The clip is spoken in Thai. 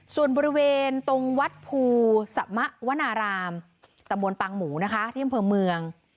ส่วนบริเวณตรงวัดภูษมะวะนารามตะบรวณปังหมูนะคะที่เตี้ยงเผลอเมือง